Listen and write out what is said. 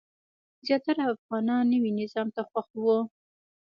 زیاتره افغانان نوي نظام ته خوښ وو.